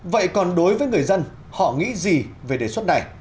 vậy còn đối với người dân họ nghĩ gì về đề xuất này